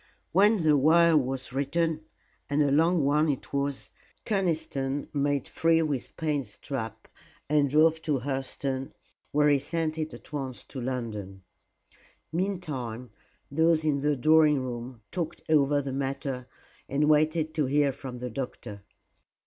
When the wire was written and a long one it was Conniston made free with Payne's trap and drove to Hurseton, where he sent it at once to London. Meantime, those in the drawing room talked over the matter and waited to hear from the doctor.